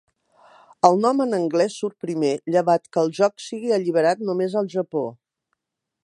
El nom en anglès surt primer, llevat que el joc sigui alliberat només al Japó.